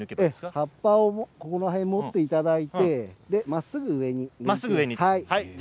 葉っぱのここら辺を持っていただいてまっすぐ上に。